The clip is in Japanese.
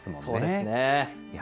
そうですね。